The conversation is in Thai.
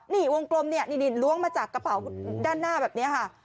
นี่วงกลมเนี่ยนี่ล้วงมาจากกระเป๋าด้านหน้าแบบนี้ค่ะ